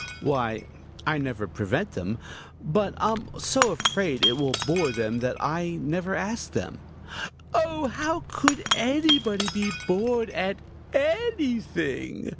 "Why, I never prevent them, but I'm so afraid it will bore them that I never ask them." "Oh, how could anybody be bored at anything?"